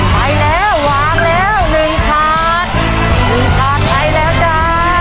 ไปแล้ววางแล้วหนึ่งค่ะเอาไปแล้วจ้า